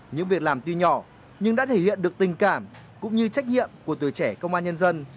những việc làm tuy nhỏ nhưng đã thể hiện được tình cảm cũng như trách nhiệm của tuổi trẻ công an nhân dân